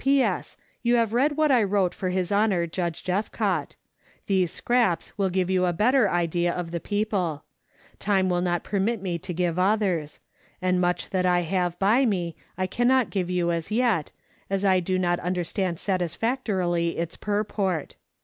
P.S. You have read what I wrote for His Honor Judge Jeffcott. These scraps will give you a better idea of the people. Time will not permit me to give others ; and much that I have by me I cannot give you as yet, as I do not understand satisfactorily its purport.